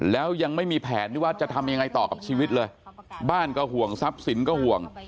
แล้วยังไม่มีแผนที่ว่าจะทำยังไงต่อกับชีวิตเลยบ้านก็ห่วงทรัพย์สินก็ห่วง